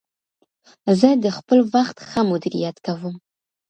زه د خپل وخت ښه مدیریت کوم.